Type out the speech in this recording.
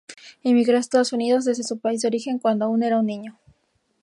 Emigró a Estados Unidos desde su país de origen cuando aún era un niño.